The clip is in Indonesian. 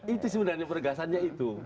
itu sebenarnya peregasannya itu